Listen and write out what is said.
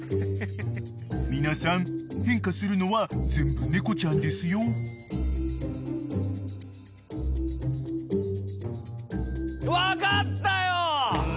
［皆さん変化するのは全部猫ちゃんですよ］分かったよ！